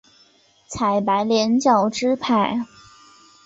采白莲教支派。